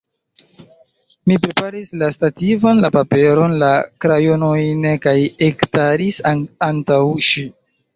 Mi preparis la stativon, la paperon, la krajonojn kaj ekstaris antaŭ ŝi.